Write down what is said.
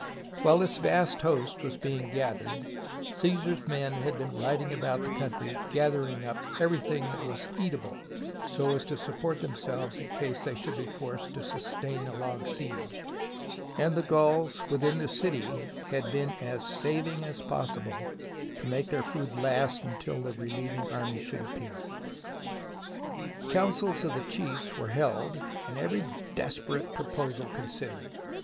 While this vast host was being gathered, Cassar's men had been riding about the country gathering up everything that was eatable so as to support themselves in case they should be forced to sustain a long siege, and the Gauls within the city had been as saving as possible to make their food last until the relieving army should appear. Councils of the chiefs were held and every des perate proposal considered.